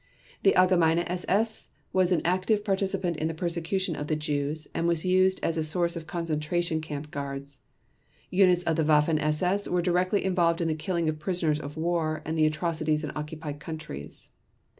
The Allgemeine SS was an active participant in the persecution of the Jews and was used as a source of concentration camp guards. Units of the Waffen SS were directly involved in the killing of prisoners of war and the atrocities in occupied countries.